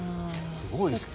すごいですよね。